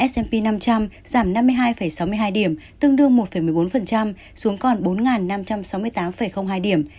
s p năm trăm linh giảm năm mươi hai sáu mươi hai điểm tương đương một một mươi bốn xuống còn bốn năm trăm sáu mươi tám hai điểm